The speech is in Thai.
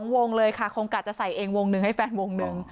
วงเลยค่ะคงกะจะใส่เองวงหนึ่งให้แฟนวงหนึ่ง